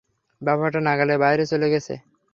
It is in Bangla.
ব্যাপারটা নাগালের বাইরে চলে গেছে।